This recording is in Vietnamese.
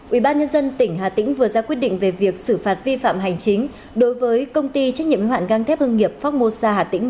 ubnd tỉnh hà tĩnh vừa ra quyết định về việc xử phạt vi phạm hành chính đối với công ty trách nhiệm hoạn găng thép hương nghiệp phong mô sa hà tĩnh